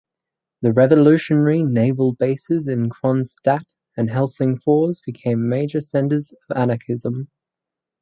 The revolutionary naval bases in Kronstadt and Helsingfors became major centers of anarchism.